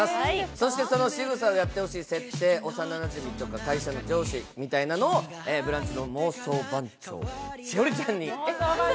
そして、そのしぐさをやってほしい設定、幼なじみとか会社の上司というのを「ブランチ」の妄想番長、栞里ちゃんに。